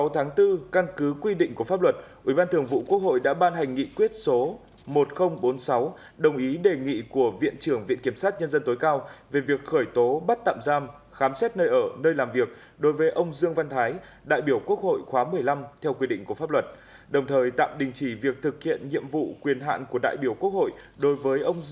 bên cạnh đó ủy ban thường vụ quốc hội đã thông qua nghị quyết tạm đình chỉ thực hiện việc khởi tố bắt tạm giam đối với ông dương văn thái bí thư tỉnh bắc giang để cơ quan chức năng thực hiện việc khởi tố bắt tạm giam đối với ông thái